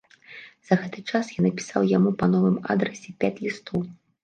За гэты час я напісаў яму па новым адрасе пяць лістоў.